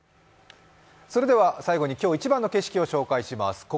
それでは最後に今日一番の景色を紹介します。